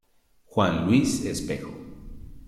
Juan Luis Espejo.